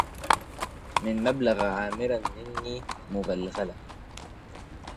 من مبلغ عامرا مني مغلغلة